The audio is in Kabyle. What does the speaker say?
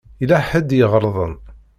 Yella ḥedd i iɣelḍen.